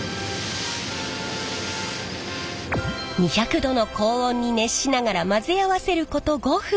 ２００℃の高温に熱しながら混ぜ合わせること５分。